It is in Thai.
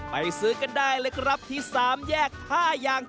ไปซื้อกันได้เลยครับที่๓แยก๕อย่าง